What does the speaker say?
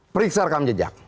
periksa rekam jejak